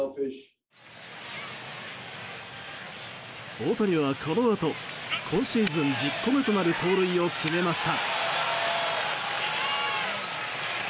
大谷は、このあと今シーズン１０個目となる盗塁を決めました。